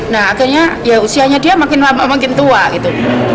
nah akhirnya ya usianya dia makin tua gitu